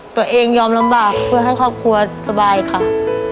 ยอมลำบากเพื่อให้ครอบครัวสบายค่ะ